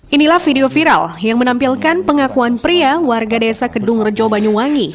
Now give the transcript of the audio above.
inilah video viral yang menampilkan pengakuan pria warga desa kedung rejo banyuwangi